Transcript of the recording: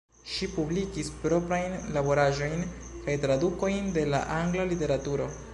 Ŝi publikis proprajn laboraĵojn kaj tradukojn de la angla literaturo.